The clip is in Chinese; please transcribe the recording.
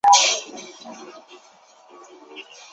北部凹腹鳕为辐鳍鱼纲鳕形目鼠尾鳕科凹腹鳕属的鱼类。